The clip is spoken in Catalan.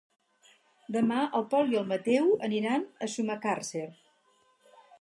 Demà en Pol i en Mateu aniran a Sumacàrcer.